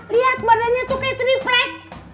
lihat badannya tuh kayak triplek